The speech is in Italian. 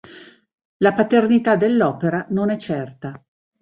La paternità dell'opera non è certa.